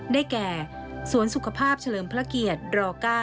ได้แก่สวนสุขภาพเฉลิมพระเกียรติร๙